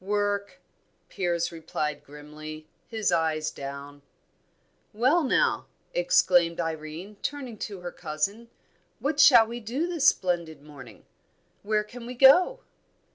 "Work!" Piers replied grimly, his eyes down. "Well, now," exclaimed Irene, turning to her cousin, "what shall we do this splendid morning? Where can we go?"